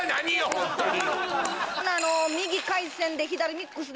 ホントに！